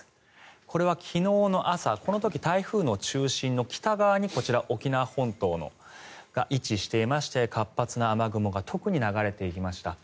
これは昨日の朝この時、台風の中心の北側にこちら、沖縄本島が位置していまして活発な雨雲が特に流れていきました。